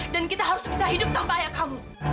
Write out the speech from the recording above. dan kita harus bisa hidup tanpa ayah kamu